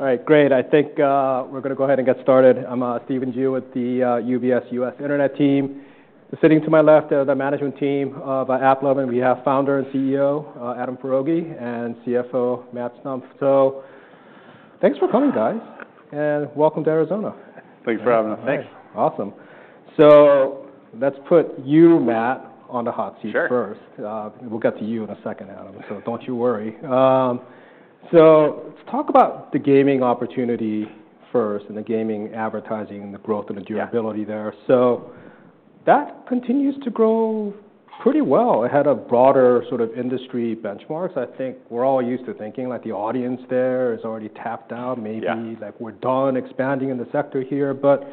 All right, great. I think we're gonna go ahead and get started. I'm Steven Gee with the UBS US Internet team. Sitting to my left are the management team of AppLovin. We have founder and CEO Adam Foroughi, and CFO Matthew Stumpf. So thanks for coming, guys, and welcome to Arizona. Thanks for having us. Thanks. Awesome. So let's put you, Matt, on the hot seat first. Sure. We'll get to you in a second, Adam, so don't you worry. So let's talk about the gaming opportunity first and the gaming advertising and the growth and the durability there. Sure. So that continues to grow pretty well. It had a broader sort of industry benchmarks. I think we're all used to thinking, like, the audience there is already tapped out. Yeah. Maybe, like, we're done expanding in the sector here. But,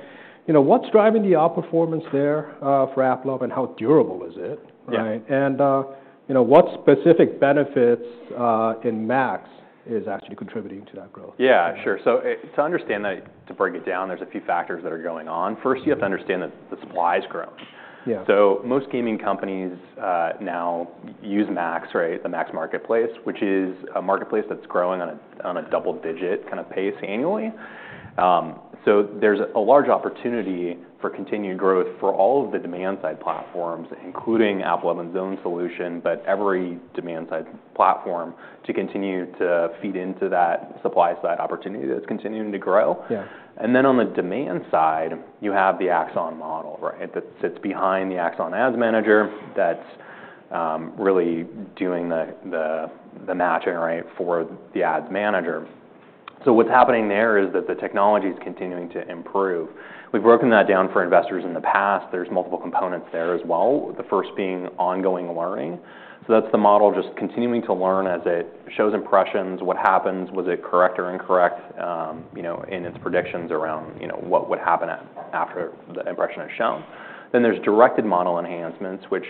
you know, what's driving the outperformance there, for AppLovin? How durable is it? Yeah. Right. And, you know, what specific benefits in MAX is actually contributing to that growth? Yeah, sure. So, to understand that, to break it down, there's a few factors that are going on. First, you have to understand that the supply's grown. Yeah. So most gaming companies now use MAX, right, the MAX marketplace, which is a marketplace that's growing on a double-digit kind of pace annually. So there's a large opportunity for continued growth for all of the demand-side platforms, including AppLovin's own solution, but every demand-side platform, to continue to feed into that supply-side opportunity that's continuing to grow. Yeah. And then on the demand side, you have the AXON model, right, that sits behind the AXON Ads Manager that's really doing the matching, right, for the Ads Manager. So what's happening there is that the technology's continuing to improve. We've broken that down for investors in the past. There's multiple components there as well, the first being ongoing learning. So that's the model just continuing to learn as it shows impressions, what happens, was it correct or incorrect, you know, in its predictions around, you know, what would happen after the impression is shown. Then there's directed model enhancements, which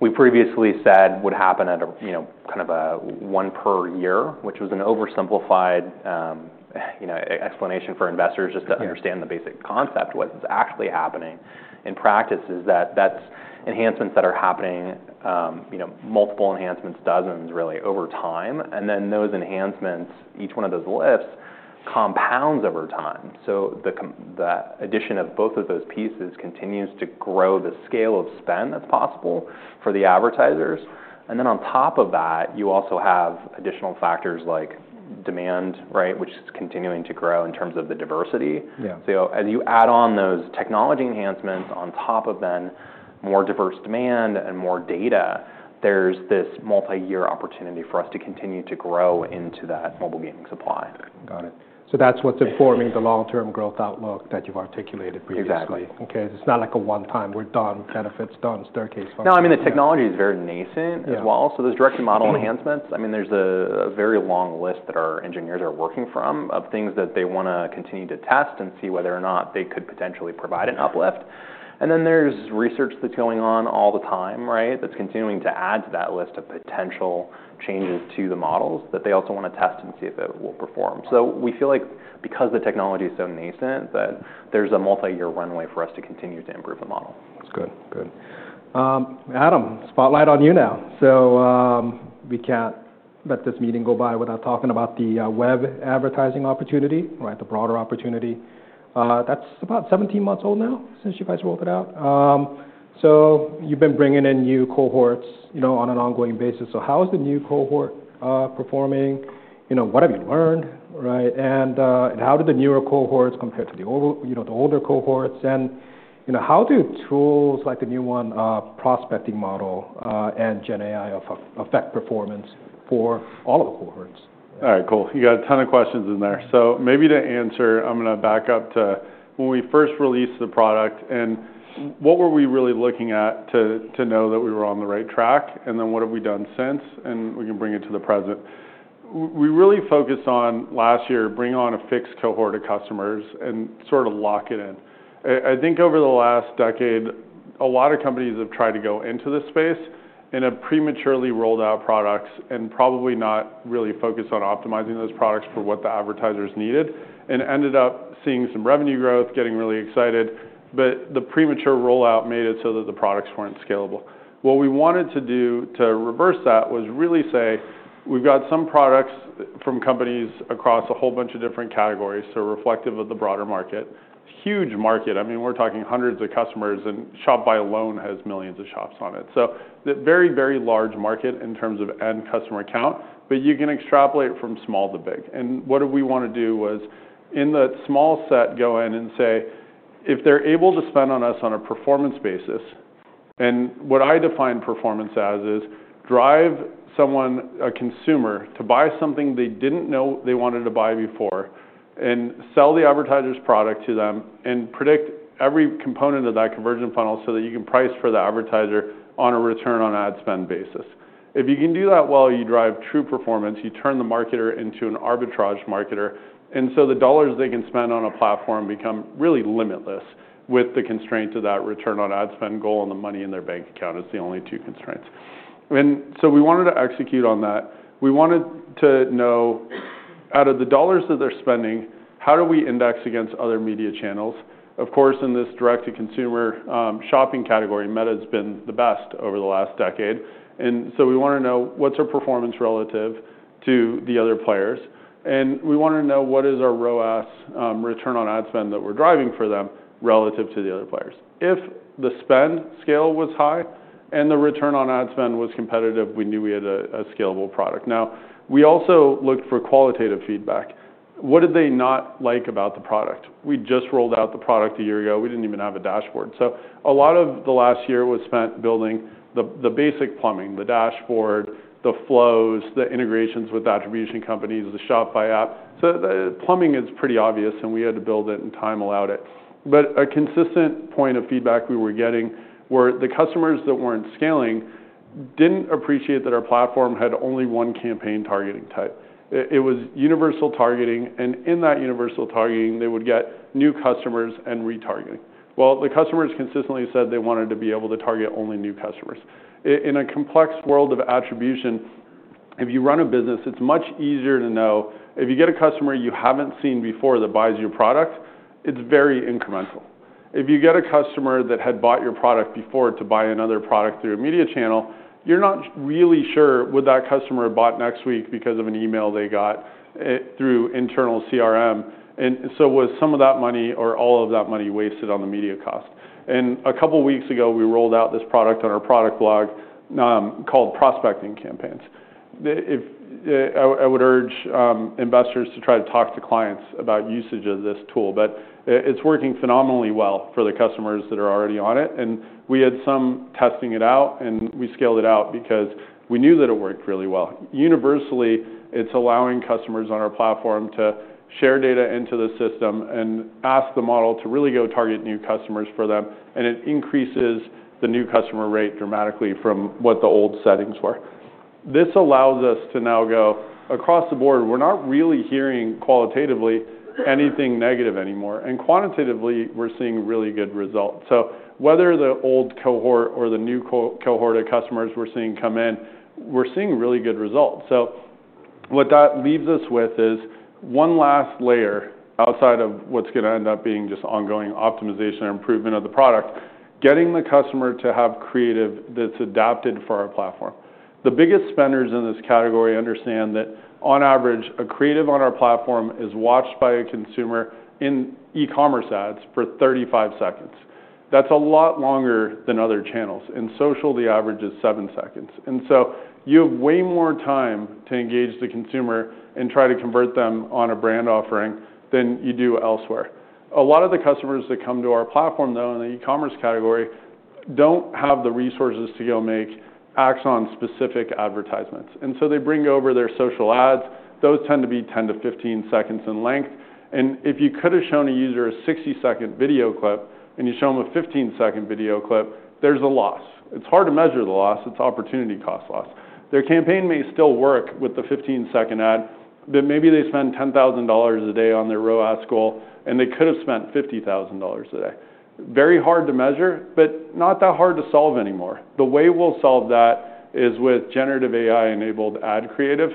we previously said would happen at a, you know, kind of a one per year, which was an oversimplified, you know, explanation for investors just to understand the basic concept of what's actually happening. In practice, it's enhancements that are happening, you know, multiple enhancements, dozens, really, over time. And then those enhancements, each one of those lifts, compounds over time. So the addition of both of those pieces continues to grow the scale of spend that's possible for the advertisers. And then on top of that, you also have additional factors like demand, right, which is continuing to grow in terms of the diversity. Yeah. So as you add on those technology enhancements on top of the more diverse demand and more data, there's this multi-year opportunity for us to continue to grow into that mobile gaming supply. Got it. So that's what's informing the long-term growth outlook that you've articulated previously. Exactly. Okay. It's not like a one-time we're done, benefits done, staircase function. No, I mean, the technology is very nascent as well. Yeah. So those directed model enhancements, I mean, there's a very long list that our engineers are working from of things that they wanna continue to test and see whether or not they could potentially provide an uplift. And then there's research that's going on all the time, right, that's continuing to add to that list of potential changes to the models that they also wanna test and see if it will perform. So we feel like because the technology's so nascent that there's a multi-year runway for us to continue to improve the model. That's good. Good. Adam, spotlight on you now. So, we can't let this meeting go by without talking about the web advertising opportunity, right, the broader opportunity. That's about 17 months old now since you guys rolled it out. So you've been bringing in new cohorts, you know, on an ongoing basis. So how is the new cohort performing? You know, what have you learned, right? And how do the newer cohorts compare to the old, you know, the older cohorts? And, you know, how do tools like the new one, prospecting model, and GenAI affect performance for all of the cohorts? All right. Cool. You got a ton of questions in there. So maybe to answer, I'm gonna back up to when we first released the product and what were we really looking at to know that we were on the right track? And then what have we done since? And we can bring it to the present. We really focused on last year, bring on a fixed cohort of customers and sort of lock it in. I think over the last decade, a lot of companies have tried to go into this space and have prematurely rolled out products and probably not really focused on optimizing those products for what the advertisers needed and ended up seeing some revenue growth, getting really excited. But the premature rollout made it so that the products weren't scalable. What we wanted to do to reverse that was really say we've got some products from companies across a whole bunch of different categories, so reflective of the broader market, huge market. I mean, we're talking hundreds of customers, and Shopify alone has millions of shops on it. So the very, very large market in terms of end customer count, but you can extrapolate from small to big. And what we wanna do was in the small set, go in and say, if they're able to spend on us on a performance basis, and what I define performance as is drive someone, a consumer, to buy something they didn't know they wanted to buy before and sell the advertiser's product to them and predict every component of that conversion funnel so that you can price for the advertiser on a return on ad spend basis. If you can do that well, you drive true performance, you turn the marketer into an arbitrage marketer, and so the dollars they can spend on a platform become really limitless with the constraint to that return on ad spend goal and the money in their bank account is the only two constraints, and so we wanted to execute on that. We wanted to know, out of the dollars that they're spending, how do we index against other media channels? Of course, in this direct-to-consumer, shopping category, Meta's been the best over the last decade, and so we wanna know what's our performance relative to the other players, and we wanna know what is our ROAS, return on ad spend that we're driving for them relative to the other players. If the spend scale was high and the return on ad spend was competitive, we knew we had a scalable product. Now, we also looked for qualitative feedback. What did they not like about the product? We just rolled out the product a year ago. We didn't even have a dashboard. So a lot of the last year was spent building the basic plumbing, the dashboard, the flows, the integrations with attribution companies, the Shopify app. So the plumbing is pretty obvious, and we had to build it and time allowed it. But a consistent point of feedback we were getting were the customers that weren't scaling didn't appreciate that our platform had only one campaign targeting type. It was universal targeting. And in that universal targeting, they would get new customers and retargeting. The customers consistently said they wanted to be able to target only new customers. In a complex world of attribution, if you run a business, it's much easier to know if you get a customer you haven't seen before that buys your product, it's very incremental. If you get a customer that had bought your product before to buy another product through a media channel, you're not really sure would that customer have bought next week because of an email they got, through internal CRM. And so was some of that money or all of that money wasted on the media cost? And a couple weeks ago, we rolled out this product on our product blog, called Prospecting Campaigns. I would urge investors to try to talk to clients about usage of this tool. It's working phenomenally well for the customers that are already on it. We had some testing it out, and we scaled it out because we knew that it worked really well. Universally, it's allowing customers on our platform to share data into the system and ask the model to really go target new customers for them. It increases the new customer rate dramatically from what the old settings were. This allows us to now go across the board. We're not really hearing qualitatively anything negative anymore. Quantitatively, we're seeing really good results. Whether the old cohort or the new cohort of customers we're seeing come in, we're seeing really good results. What that leaves us with is one last layer outside of what's gonna end up being just ongoing optimization or improvement of the product, getting the customer to have creative that's adapted for our platform. The biggest spenders in this category understand that, on average, a creative on our platform is watched by a consumer in e-commerce ads for 35 seconds. That's a lot longer than other channels. In social, the average is seven seconds, and so you have way more time to engage the consumer and try to convert them on a brand offering than you do elsewhere. A lot of the customers that come to our platform, though, in the e-commerce category, don't have the resources to go make AXON-specific advertisements, and so they bring over their social ads. Those tend to be 10-15 seconds in length, and if you could've shown a user a 60-second video clip and you show them a 15-second video clip, there's a loss. It's hard to measure the loss. It's opportunity cost loss. Their campaign may still work with the 15-second ad, but maybe they spend $10,000 a day on their ROAS goal, and they could've spent $50,000 a day. Very hard to measure, but not that hard to solve anymore. The way we'll solve that is with generative AI-enabled ad creative,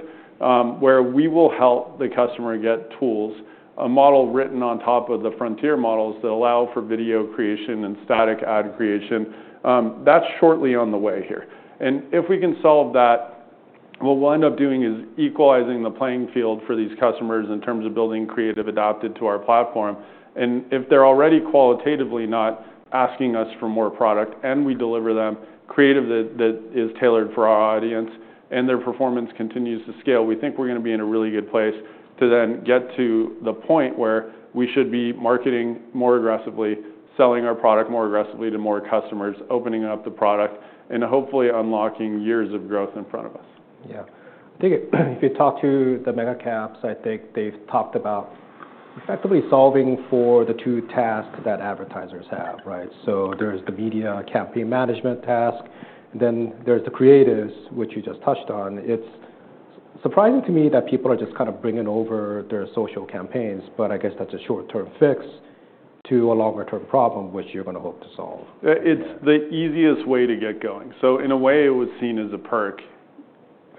where we will help the customer get tools, a model written on top of the frontier models that allow for video creation and static ad creation. That's shortly on the way here, and if we can solve that, what we'll end up doing is equalizing the playing field for these customers in terms of building creative adapted to our platform. If they're already qualitatively not asking us for more product and we deliver them creative that is tailored for our audience and their performance continues to scale, we think we're gonna be in a really good place to then get to the point where we should be marketing more aggressively, selling our product more aggressively to more customers, opening up the product, and hopefully unlocking years of growth in front of us. Yeah. I think if you talk to the mega caps, I think they've talked about effectively solving for the two tasks that advertisers have, right? So there's the media campaign management task, and then there's the creatives, which you just touched on. It's surprising to me that people are just kind of bringing over their social campaigns, but I guess that's a short-term fix to a longer-term problem, which you're gonna hope to solve. It's the easiest way to get going. So in a way, it was seen as a perk.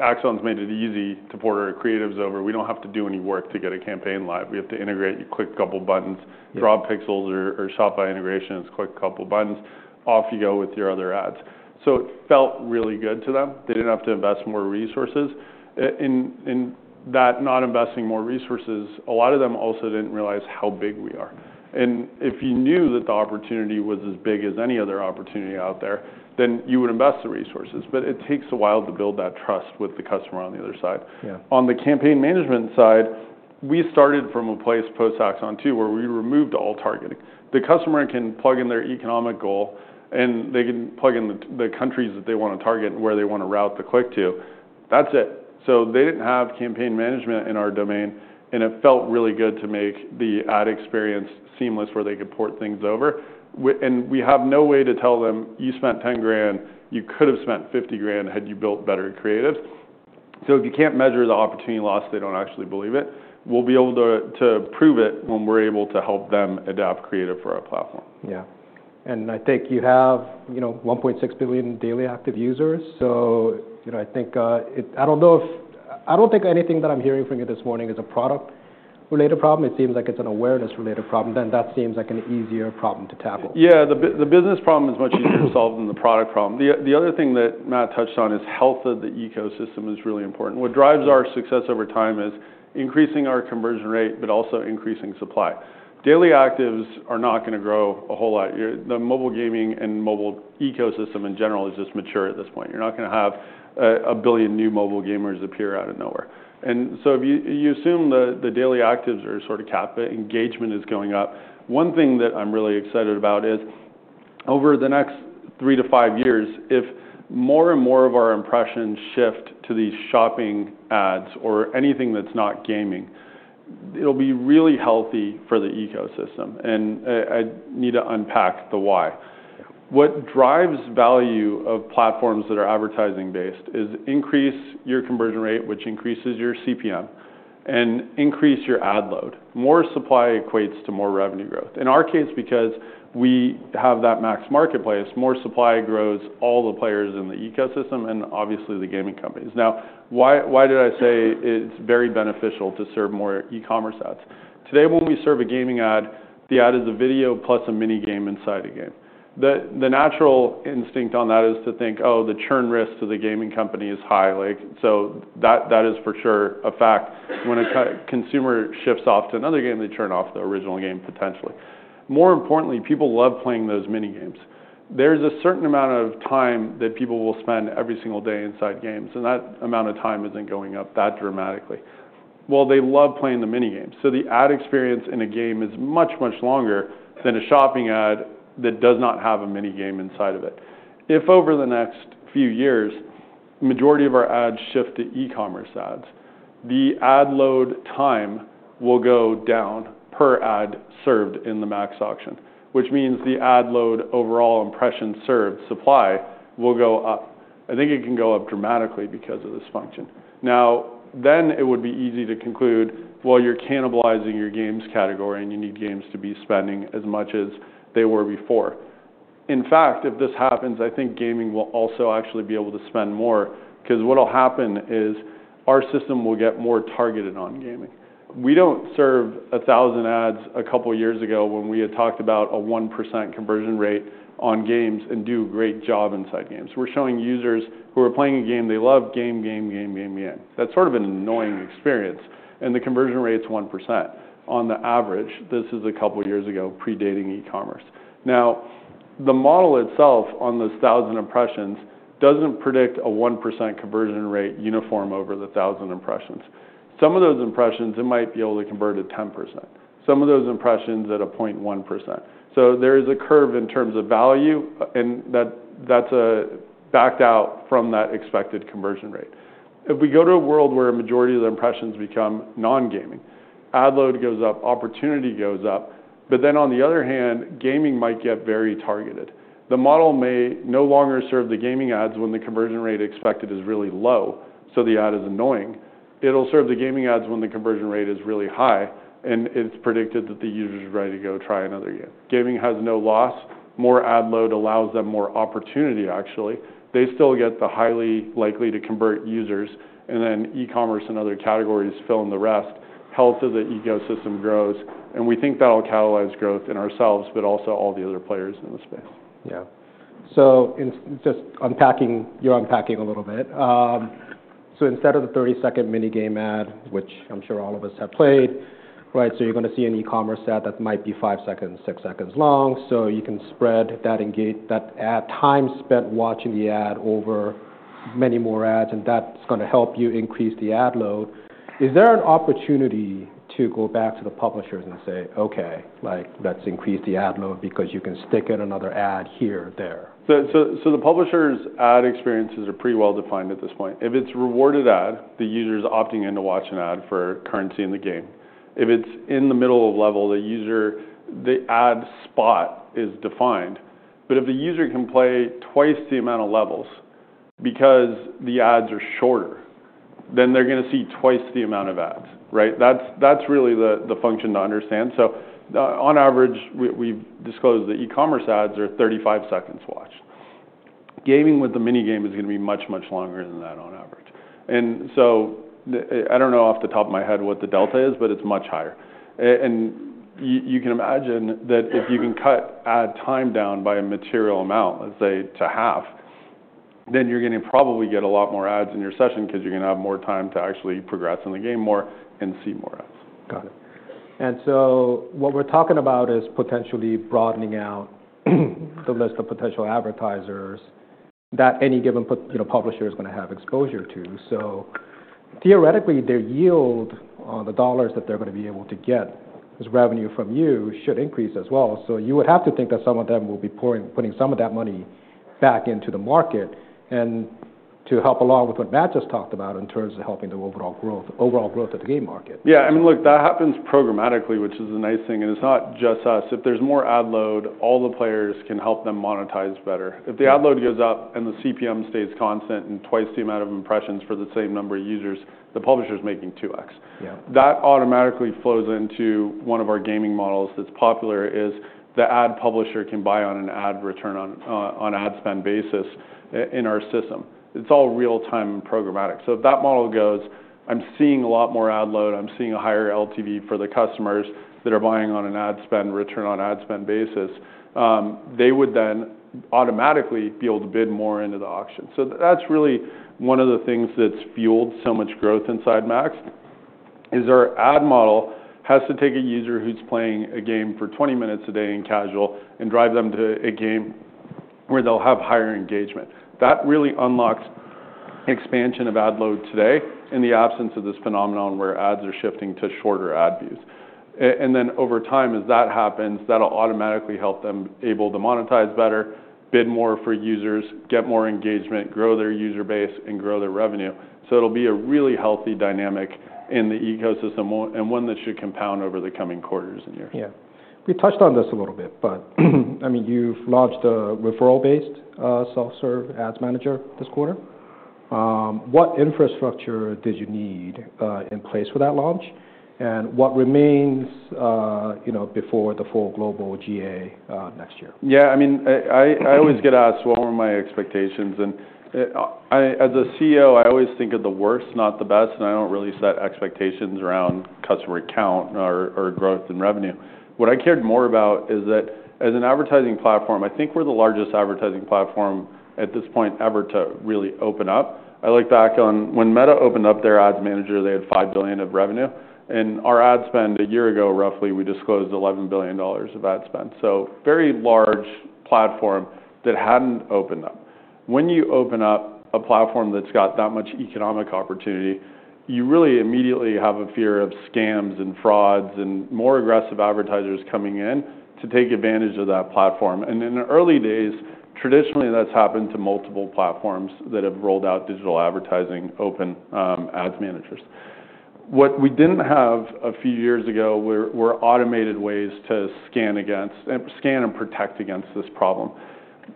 AXON has made it easy to port our creatives over. We don't have to do any work to get a campaign live. We have to integrate. You click a couple buttons. Yeah. Draw pixels or Shopify integration is click a couple buttons. Off you go with your other ads, so it felt really good to them. They didn't have to invest more resources in that, not investing more resources. A lot of them also didn't realize how big we are, and if you knew that the opportunity was as big as any other opportunity out there, then you would invest the resources, but it takes a while to build that trust with the customer on the other side. Yeah. On the campaign management side, we started from a place post-AXON too where we removed all targeting. The customer can plug in their economic goal, and they can plug in the countries that they wanna target and where they wanna route the click to. That's it. So they didn't have campaign management in our domain, and it felt really good to make the ad experience seamless where they could port things over. And we have no way to tell them, "You spent $10,000. You could've spent $50,000 had you built better creatives." So if you can't measure the opportunity loss, they don't actually believe it. We'll be able to prove it when we're able to help them adapt creative for our platform. Yeah. And I think you have, you know, 1.6 billion daily active users. So, you know, I think it. I don't know. I don't think anything that I'm hearing from you this morning is a product-related problem. It seems like it's an awareness-related problem. Then that seems like an easier problem to tackle. Yeah. The business problem is much easier to solve than the product problem. The other thing that Matt touched on is the health of the ecosystem is really important. What drives our success over time is increasing our conversion rate, but also increasing supply. Daily actives are not gonna grow a whole lot. You're in the mobile gaming and mobile ecosystem in general is just mature at this point. You're not gonna have a billion new mobile gamers appear out of nowhere. And so if you assume the daily actives are sort of capped, but engagement is going up. One thing that I'm really excited about is over the next three to five years, if more and more of our impressions shift to these shopping ads or anything that's not gaming, it'll be really healthy for the ecosystem. And I need to unpack the why. What drives value of platforms that are advertising-based is increase your conversion rate, which increases your CPM, and increase your ad load. More supply equates to more revenue growth. In our case, because we have that MAX marketplace, more supply grows all the players in the ecosystem and obviously the gaming companies. Now, why did I say it's very beneficial to serve more e-commerce ads? Today, when we serve a gaming ad, the ad is a video plus a minigame inside a game. The natural instinct on that is to think, "Oh, the churn risk to the gaming company is high." Like, so that is for sure a fact. When a consumer shifts off to another game, they turn off the original game potentially. More importantly, people love playing those minigames. There's a certain amount of time that people will spend every single day inside games, and that amount of time isn't going up that dramatically. They love playing the minigame. So the ad experience in a game is much, much longer than a shopping ad that does not have a minigame inside of it. If over the next few years, majority of our ads shift to e-commerce ads, the ad load time will go down per ad served in the MAX auction, which means the ad load overall impressions served supply will go up. I think it can go up dramatically because of this function. Now, then it would be easy to conclude, "Well, you're cannibalizing your games category, and you need games to be spending as much as they were before." In fact, if this happens, I think gaming will also actually be able to spend more 'cause what'll happen is our system will get more targeted on gaming. We don't serve 1,000 ads a couple years ago when we had talked about a 1% conversion rate on games and do a great job inside games. We're showing users who are playing a game, they love game, game, game, game, game. That's sort of an annoying experience. And the conversion rate's 1%. On the average, this is a couple years ago, predating e-commerce. Now, the model itself on those 1,000 impressions doesn't predict a 1% conversion rate uniform over the 1,000 impressions. Some of those impressions, it might be able to convert at 10%. Some of those impressions at a 0.1%. So there is a curve in terms of value, and that, that's backed out from that expected conversion rate. If we go to a world where a majority of the impressions become non-gaming, ad load goes up, opportunity goes up, but then on the other hand, gaming might get very targeted. The model may no longer serve the gaming ads when the conversion rate expected is really low, so the ad is annoying. It'll serve the gaming ads when the conversion rate is really high, and it's predicted that the user's ready to go try another game. Gaming has no loss. More ad load allows them more opportunity, actually. They still get the highly likely to convert users, and then e-commerce and other categories fill in the rest. Health of the ecosystem grows, and we think that'll catalyze growth in ourselves, but also all the other players in the space. Yeah. So in just unpacking a little bit, so instead of the 30-second minigame ad, which I'm sure all of us have played, right, so you're gonna see an e-commerce ad that might be five seconds, six seconds long. So you can spread that engage that ad time spent watching the ad over many more ads, and that's gonna help you increase the ad load. Is there an opportunity to go back to the publishers and say, "Okay, like, let's increase the ad load because you can stick in another ad here, there"? So the publishers' ad experiences are pretty well defined at this point. If it's rewarded ad, the user's opting in to watch an ad for currency in the game. If it's in the middle of level, the user, the ad spot is defined. But if the user can play twice the amount of levels because the ads are shorter, then they're gonna see twice the amount of ads, right? That's really the function to understand. So, on average, we've disclosed the e-commerce ads are 35 seconds watched. Gaming with the minigame is gonna be much, much longer than that on average. And so I don't know off the top of my head what the delta is, but it's much higher. and you can imagine that if you can cut ad time down by a material amount, let's say to half, then you're gonna probably get a lot more ads in your session 'cause you're gonna have more time to actually progress in the game more and see more ads. Got it. And so what we're talking about is potentially broadening out the list of potential advertisers that any given you know, publisher is gonna have exposure to. So theoretically, their yield on the dollars that they're gonna be able to get as revenue from you should increase as well. So you would have to think that some of them will be putting some of that money back into the market and to help along with what Matt just talked about in terms of helping the overall growth of the game market. Yeah. I mean, look, that happens programmatically, which is a nice thing. And it's not just us. If there's more ad load, all the players can help them monetize better. If the ad load goes up and the CPM stays constant and twice the amount of impressions for the same number of users, the publisher's making 2X. Yeah. That automatically flows into one of our gaming models that's popular is the ad publisher can buy on a return on ad spend basis in our system. It's all real-time and programmatic. So if that model goes, "I'm seeing a lot more ad load. I'm seeing a higher LTV for the customers that are buying on a return on ad spend basis," they would then automatically be able to bid more into the auction. So that's really one of the things that's fueled so much growth inside MAX is our ad model has to take a user who's playing a game for 20 minutes a day in casual and drive them to a game where they'll have higher engagement. That really unlocks expansion of ad load today in the absence of this phenomenon where ads are shifting to shorter ad views. And then over time, as that happens, that'll automatically help them able to monetize better, bid more for users, get more engagement, grow their user base, and grow their revenue. So it'll be a really healthy dynamic in the ecosystem and one that should compound over the coming quarters and years. Yeah. We touched on this a little bit, but I mean, you've launched a referral-based, self-serve Ads Manager this quarter. What infrastructure did you need in place for that launch? And what remains, you know, before the full global GA next year? Yeah. I mean, I always get asked, "What were my expectations?" And, as a CEO, I always think of the worst, not the best, and I don't really set expectations around customer count or growth and revenue. What I cared more about is that as an advertising platform, I think we're the largest advertising platform at this point ever to really open up. I look back on when Meta opened up their Ads Manager, they had $5 billion of revenue. And our ad spend a year ago, roughly, we disclosed $11 billion of ad spend. So very large platform that hadn't opened up. When you open up a platform that's got that much economic opportunity, you really immediately have a fear of scams and frauds and more aggressive advertisers coming in to take advantage of that platform. And in the early days, traditionally, that's happened to multiple platforms that have rolled out digital advertising, open Ads Managers. What we didn't have a few years ago were automated ways to scan and protect against this problem.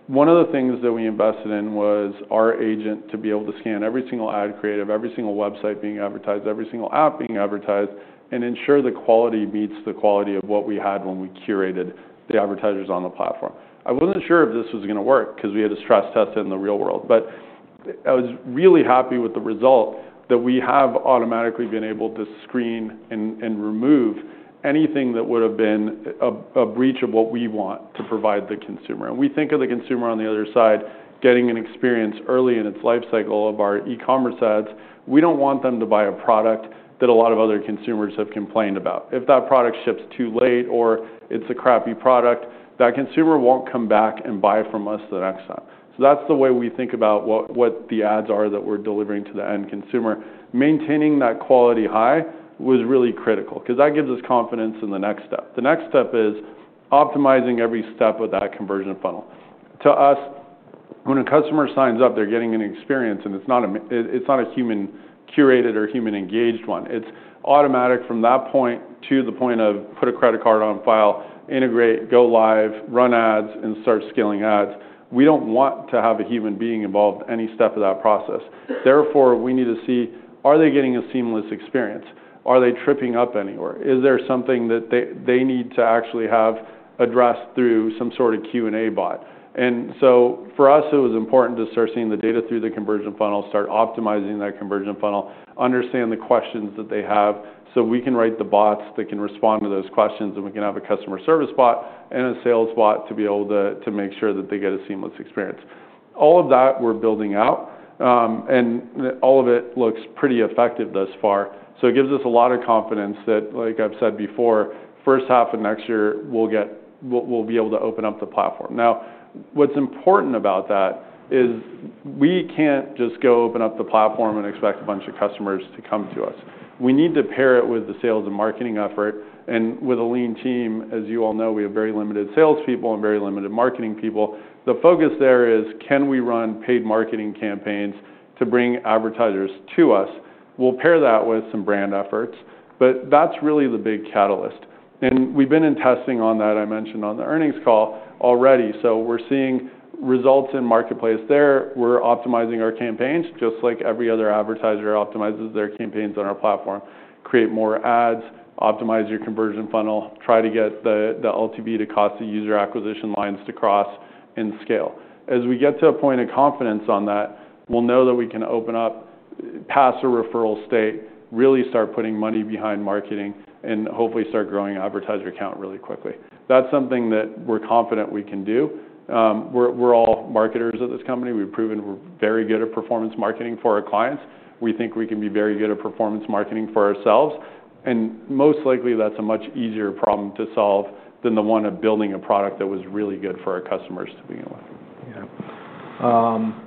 One of the things that we invested in was our AXON to be able to scan every single ad creative, every single website being advertised, every single app being advertised, and ensure the quality meets the quality of what we had when we curated the advertisers on the platform. I wasn't sure if this was gonna work 'cause we had to stress test it in the real world. But I was really happy with the result that we have automatically been able to screen and remove anything that would've been a breach of what we want to provide the consumer. And we think of the consumer on the other side getting an experience early in its life cycle of our e-commerce ads. We don't want them to buy a product that a lot of other consumers have complained about. If that product ships too late or it's a crappy product, that consumer won't come back and buy from us the next time. So that's the way we think about what the ads are that we're delivering to the end consumer. Maintaining that quality high was really critical 'cause that gives us confidence in the next step. The next step is optimizing every step of that conversion funnel. To us, when a customer signs up, they're getting an experience, and it's not a human-curated or human-engaged one. It's automatic from that point to the point of put a credit card on file, integrate, go live, run ads, and start scaling ads. We don't want to have a human being involved any step of that process. Therefore, we need to see, are they getting a seamless experience? Are they tripping up anywhere? Is there something that they need to actually have addressed through some sort of Q&A bot? And so for us, it was important to start seeing the data through the conversion funnel, start optimizing that conversion funnel, understand the questions that they have so we can write the bots that can respond to those questions, and we can have a customer service bot and a sales bot to be able to make sure that they get a seamless experience. All of that we're building out, and all of it looks pretty effective thus far. So it gives us a lot of confidence that, like I've said before, first half of next year, we'll be able to open up the platform. Now, what's important about that is we can't just go open up the platform and expect a bunch of customers to come to us. We need to pair it with the sales and marketing effort. And with a lean team, as you all know, we have very limited salespeople and very limited marketing people. The focus there is, can we run paid marketing campaigns to bring advertisers to us? We'll pair that with some brand efforts, but that's really the big catalyst. And we've been in testing on that. I mentioned on the earnings call already. So we're seeing results in marketplace there. We're optimizing our campaigns just like every other advertiser optimizes their campaigns on our platform, create more ads, optimize your conversion funnel, try to get the, the LTV to cost of user acquisition lines to cross and scale. As we get to a point of confidence on that, we'll know that we can open up, pass a referral state, really start putting money behind marketing, and hopefully start growing advertiser count really quickly. That's something that we're confident we can do. We're, we're all marketers at this company. We've proven we're very good at performance marketing for our clients. We think we can be very good at performance marketing for ourselves. And most likely, that's a much easier problem to solve than the one of building a product that was really good for our customers to begin with. Yeah.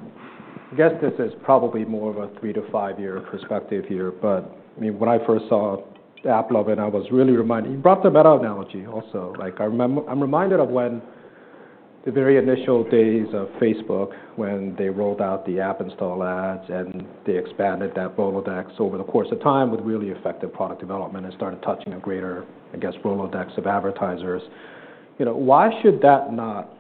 I guess this is probably more of a three-to-five-year perspective here, but I mean, when I first saw AppLovin, I was really reminded. You brought the Meta analogy also. Like, I'm reminded of when the very initial days of Facebook when they rolled out the app install ads and they expanded that Rolodex over the course of time with really effective product development and started touching a greater, I guess, Rolodex of advertisers. You know, why should that not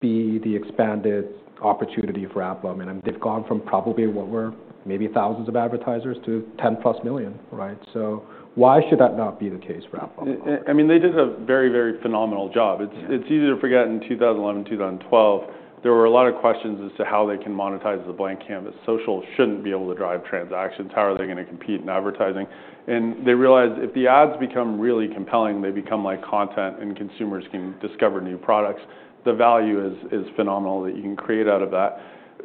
be the expanded opportunity for AppLovin? I mean, they've gone from probably what were maybe thousands of advertisers to 10+ million, right? So why should that not be the case for AppLovin? I mean, they did a very, very phenomenal job. It's easy to forget in 2011, 2012, there were a lot of questions as to how they can monetize the blank canvas. Social shouldn't be able to drive transactions. How are they gonna compete in advertising? And they realized if the ads become really compelling, they become like content and consumers can discover new products. The value is phenomenal that you can create out of that.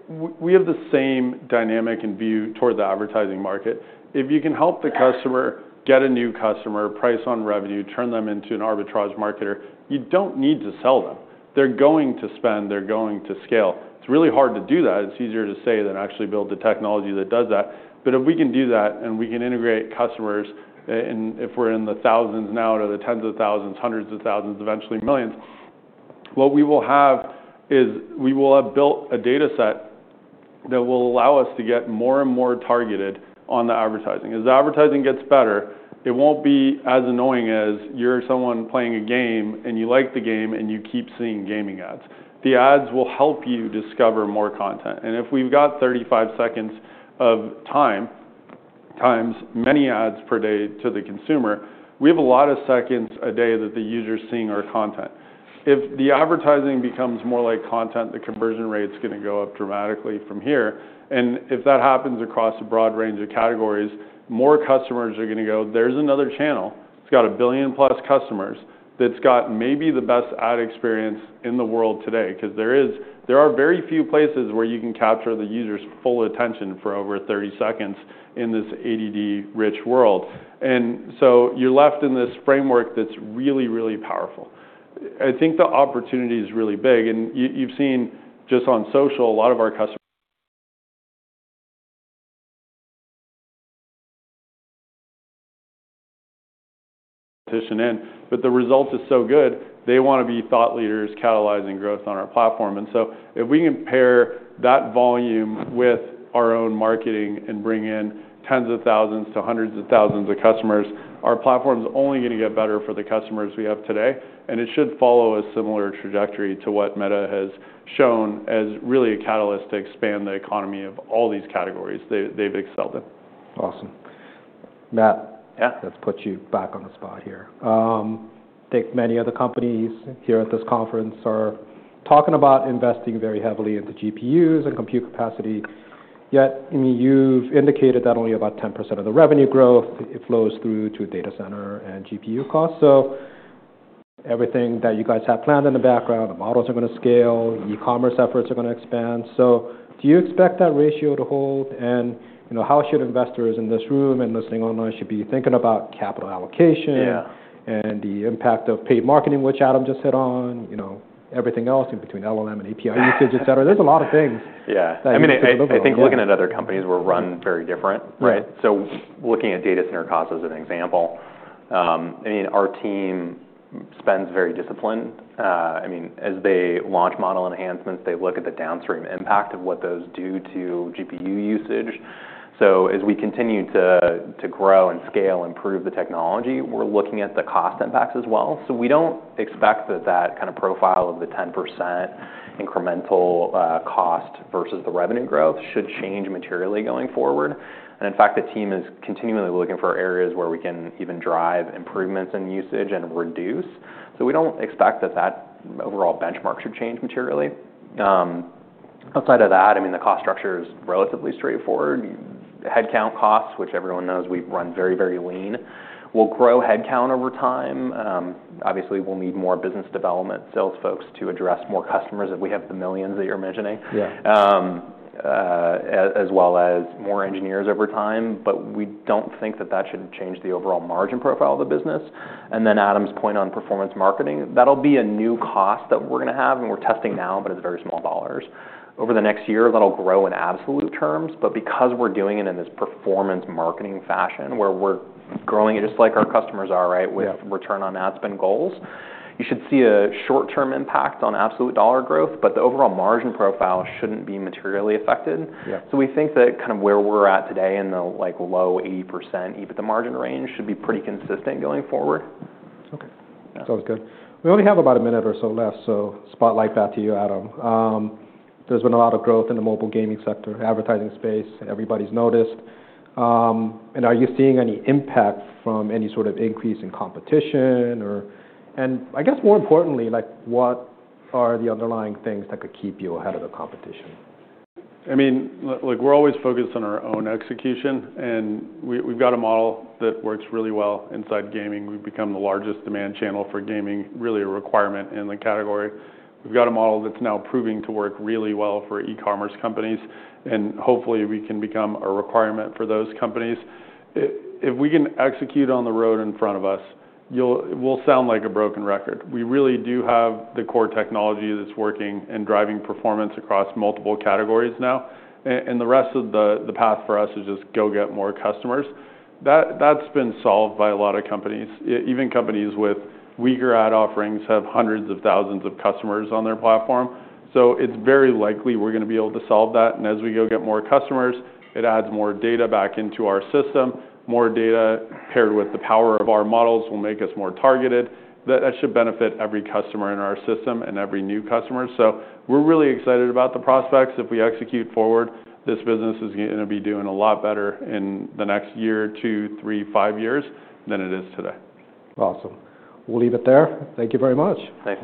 We have the same dynamic and view toward the advertising market. If you can help the customer get a new customer, price on revenue, turn them into an arbitrage marketer, you don't need to sell them. They're going to spend. They're going to scale. It's really hard to do that. It's easier to say than actually build the technology that does that. But if we can do that and we can integrate customers, and if we're in the thousands now to the tens of thousands, hundreds of thousands, eventually millions, what we will have is we will have built a data set that will allow us to get more and more targeted on the advertising. As the advertising gets better, it won't be as annoying as you're someone playing a game and you like the game and you keep seeing gaming ads. The ads will help you discover more content. And if we've got 35 seconds of time times many ads per day to the consumer, we have a lot of seconds a day that the user's seeing our content. If the advertising becomes more like content, the conversion rate's gonna go up dramatically from here. And if that happens across a broad range of categories, more customers are gonna go, "There's another channel. It's got a billion plus customers that's got maybe the best ad experience in the world today." 'Cause there is, there are very few places where you can capture the user's full attention for over 30 seconds in this ad-rich world. And so you're left in this framework that's really, really powerful. I think the opportunity is really big. And you've seen just on social a lot of our customers in, but the result is so good, they wanna be thought leaders catalyzing growth on our platform. And so if we can pair that volume with our own marketing and bring in tens of thousands to hundreds of thousands of customers, our platform's only gonna get better for the customers we have today. It should follow a similar trajectory to what Meta has shown as really a catalyst to expand the economy of all these categories they've excelled in. Awesome. Matt. Yeah. Let's put you back on the spot here. I think many other companies here at this conference are talking about investing very heavily into GPUs and compute capacity. Yet, I mean, you've indicated that only about 10% of the revenue growth it flows through to data center and GPU costs. So everything that you guys have planned in the background, the models are gonna scale, e-commerce efforts are gonna expand. So do you expect that ratio to hold? And, you know, how should investors in this room and listening online should be thinking about capital allocation. Yeah. And the impact of paid marketing, which Adam just hit on, you know, everything else in between LLM and API usage, etc. There's a lot of things. Yeah. I mean, I think looking at other companies, we're run very different. Right? So looking at data center costs as an example, I mean, our team spends very disciplined. I mean, as they launch model enhancements, they look at the downstream impact of what those do to GPU usage. So as we continue to grow and scale and improve the technology, we're looking at the cost impacts as well. So we don't expect that kind of profile of the 10% incremental cost versus the revenue growth should change materially going forward. And in fact, the team is continually looking for areas where we can even drive improvements in usage and reduce. So we don't expect that overall benchmark should change materially. Outside of that, I mean, the cost structure is relatively straightforward. Headcount costs, which everyone knows we've run very, very lean, will grow headcount over time. Obviously, we'll need more business development sales folks to address more customers if we have the millions that you're mentioning. Yeah. As well as more engineers over time. But we don't think that that should change the overall margin profile of the business. And then Adam's point on performance marketing, that'll be a new cost that we're gonna have, and we're testing now, but it's very small dollars. Over the next year, that'll grow in absolute terms. But because we're doing it in this performance marketing fashion where we're growing it just like our customers are, right, with. Yeah. Return on ad spend goals, you should see a short-term impact on absolute dollar growth, but the overall margin profile shouldn't be materially affected. Yeah. We think that's kind of where we're at today in the like low 80% EBITDA margin range should be pretty consistent going forward. Okay. Sounds good. We only have about a minute or so left, so spotlight that to you, Adam. There's been a lot of growth in the mobile gaming sector, advertising space. Everybody's noticed. And are you seeing any impact from any sort of increase in competition or, and I guess more importantly, like, what are the underlying things that could keep you ahead of the competition? I mean, look, we're always focused on our own execution, and we, we've got a model that works really well inside gaming. We've become the largest demand channel for gaming, really a requirement in the category. We've got a model that's now proving to work really well for e-commerce companies, and hopefully we can become a requirement for those companies. If we can execute on the road in front of us, you'll, it will sound like a broken record. We really do have the core technology that's working and driving performance across multiple categories now, and, and the rest of the, the path for us is just go get more customers. That, that's been solved by a lot of companies. Even companies with weaker ad offerings have hundreds of thousands of customers on their platform. So it's very likely we're gonna be able to solve that. And as we go get more customers, it adds more data back into our system. More data paired with the power of our models will make us more targeted. That should benefit every customer in our system and every new customer. So we're really excited about the prospects. If we execute forward, this business is gonna be doing a lot better in the next year, two, three, five years than it is today. Awesome. We'll leave it there. Thank you very much. Thanks.